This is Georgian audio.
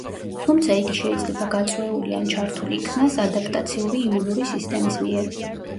თუმცა, იგი შეიძლება „გაწვეული“ ან ჩართულ იქნას ადაპტაციური იმუნური სისტემის მიერ.